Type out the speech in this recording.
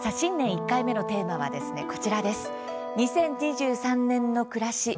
１回目のテーマはですねこちらです。